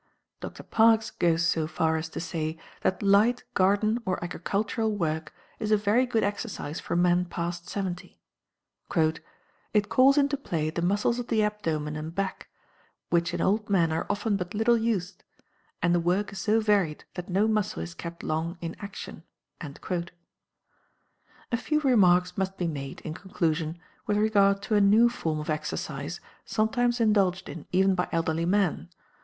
Dr. Parkes goes so far as to say that light garden or agricultural work is a very good exercise for men past seventy: "It calls into play the muscles of the abdomen and back, which in old men are often but little used, and the work is so varied that no muscle is kept long in action." A few remarks must be made, in conclusion, with regard to a new form of exercise sometimes indulged in even by elderly men.